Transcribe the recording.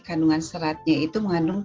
kandungan seratnya itu mengandung tujuh empat